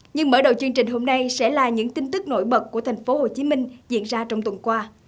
nhưng mở đầu chương trình hôm nay sẽ là những tin tức nổi bật của tp hcm diễn ra trong tuần qua